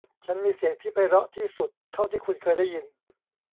ฉันมีเสียงที่ไพเราะที่สุดเท่าที่คุณเคยได้ยิน